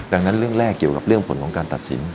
ดังนั้นเรื่องแรกเกี่ยวกับเรื่องผลของการตัดสิน